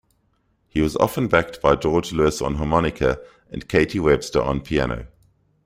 He was often backed by George Lewis on harmonica and Katie Webster on piano.